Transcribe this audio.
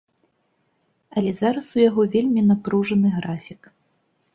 Але зараз у яго вельмі напружаны графік.